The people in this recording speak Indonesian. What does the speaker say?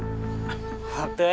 terakhir berantem kapan